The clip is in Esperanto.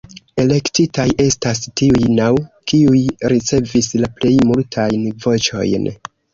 Elektitaj estas tiuj naŭ, kiuj ricevis la plej multajn voĉojn.